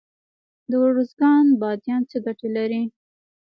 د ارزګان بادیان څه ګټه لري؟